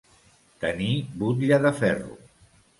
Tenir butlla de ferro.